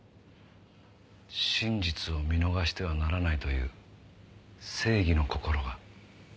真実を見逃してはならないという正義の心が。